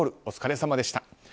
お疲れさまでした。